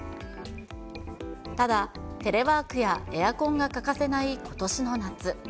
ただ、テレワークやエアコンが欠かせないことしの夏。